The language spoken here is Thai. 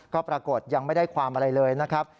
ก็ปรากฏยังไม่ได้ความอะไรเลยนะครับ